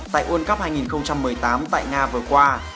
tại world cup hai nghìn một mươi tám tại nga vừa qua